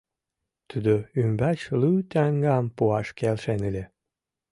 Тудо ӱмбач лу таҥгам пуаш келшен ыле...